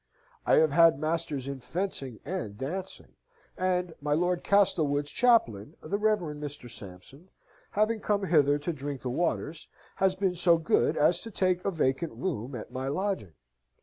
I have had masters in fencing and dancing, and my Lord Castlewood's chaplain, the Reverend Mr. Sampson, having come hither to drink the waters, has been so good as to take a vacant room at my lodging.